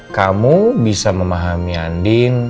kamu bisa memahami andien